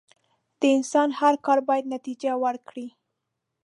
د انسان هر کار بايد نتیجه ورکړي.